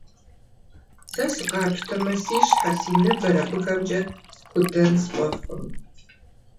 Сэ сыкъапщтэмэ, си щхьэр, си ныбэр абыхэмкӀэ скудэн сфӀэфӀкъым.